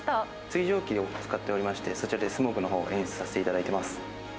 水蒸気を使っておりまして、そちらでスモークのほう、演出させていただいています。